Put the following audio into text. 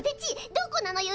どこなのよ？